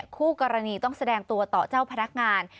คู่กรณีต้องแสดงตัวต่อเจ้าพนักงาน